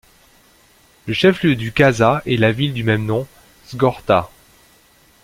Le chef-lieu du caza est la ville du même nom, Zghorta.